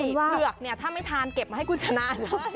ใช่เลือกเนี่ยถ้าไม่ทานเก็บมาให้คุณจะนานได้